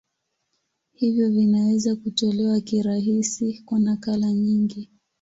Hivyo vinaweza kutolewa kirahisi kwa nakala nyingi.